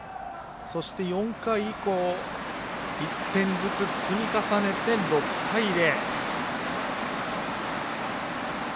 そして、４回以降１点ずつ積み重ねて６対０。